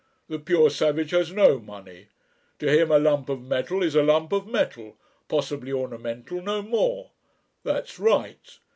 The pure savage has no money. To him a lump of metal is a lump of metal possibly ornamental no more. That's right.